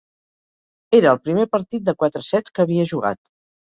Era el primer partit de quatre sets que havia jugat.